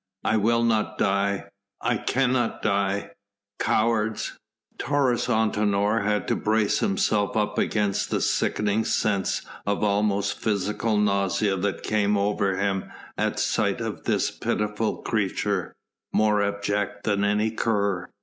I will not die ... I cannot die.... Cowards!" Taurus Antinor had to brace himself up against the sickening sense of almost physical nausea that came over him at sight of this pitiful creature, more abject than any cur.